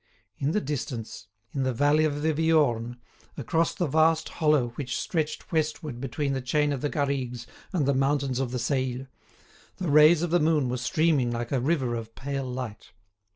In the distance, in the valley of the Viorne, across the vast hollow which stretched westward between the chain of the Garrigues and the mountains of the Seille, the rays of the moon were streaming like a river of pale light.